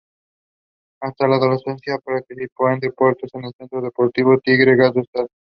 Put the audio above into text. Hasta la adolescencia, practicó deportes en el Centro Deportivo Tigre de Gas del Estado.